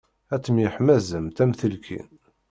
Ad temyeḥmaẓemt am telkin.